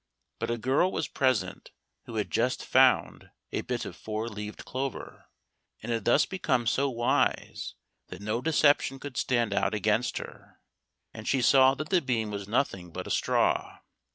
But a girl was present who had just found a bit of four leaved clover, and had thus become so wise that no deception could stand out against her, and she saw that the beam was nothing but a straw.